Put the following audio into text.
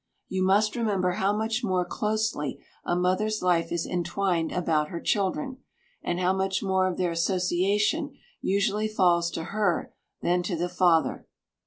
You must remember how much more closely a mother's life is entwined about her children, and how much more of their association usually falls to her than to the father.